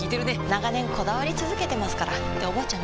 長年こだわり続けてますからっておばあちゃん